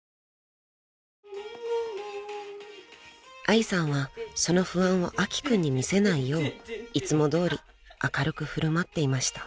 ［愛さんはその不安を明希君に見せないよういつもどおり明るく振る舞っていました］